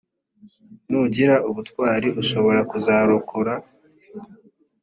nugira ubutwari ushobora kuzarokora